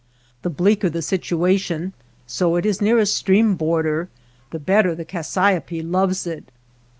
The bleaker the situation, so it is near a stream border, the better the cas siope loves it.